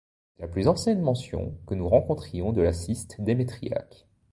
C'est la plus ancienne mention que nous rencontrions de la ciste démétriaque.